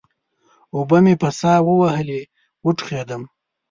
اوبه مې په سا ووهلې؛ وټوخېدم.